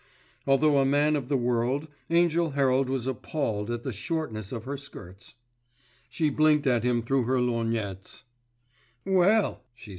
Although a man of the world, Angell Herald was appalled at the shortness of her skirts. She blinked at him through her lorgnettes. "Well!"